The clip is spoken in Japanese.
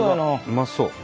うまそう。